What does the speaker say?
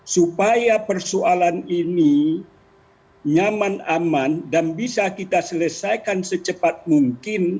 supaya persoalan ini nyaman aman dan bisa kita selesaikan secepat mungkin